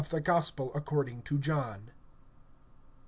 THE GOSPEL ACCORDING TO JOHN. I.